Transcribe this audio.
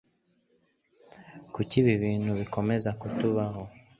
Kuki ibi bintu bikomeza kutubaho?